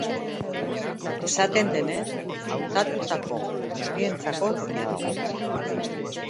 Esaten denez, hautatutako guztientzako tokia dago.